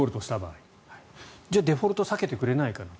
デフォルトを避けてくれないかな。